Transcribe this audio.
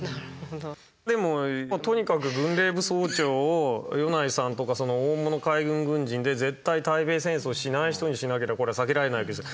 でもとにかく軍令部総長を米内さんとかその大物海軍軍人で絶対対米戦争をしない人にしなけりゃこれは避けられないわけですよ。